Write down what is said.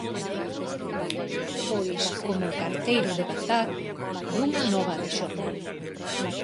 Pois, como O carteiro de Bagdad, dunha nova de xornal.